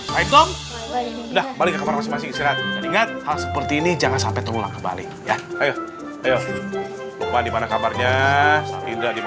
baik dong udah balik ke kamar masing masing istirahat dan ingat hal seperti ini jangan sampai terulang kembali ya ayo ayo lupa dimana kamu berdua ya